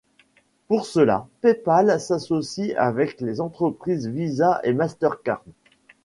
Pour cela, PayPal s'associe avec les entreprises Visa et Mastercard.